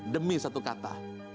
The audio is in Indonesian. demi satu kata